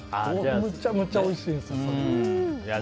むちゃむちゃおいしいです。